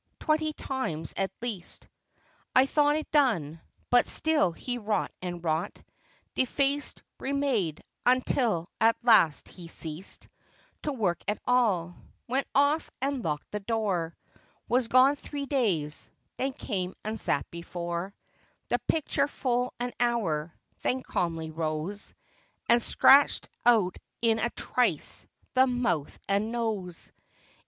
Twenty times at least I thought it done, but still he wrought and wrought, Defaced, remade, until at last he ceased To work at all, — went off and locked the door, — Was gone three days, — then came and sat before The picture full an hour, — then cahnly rose And scratched out in a trice the mouth and nose.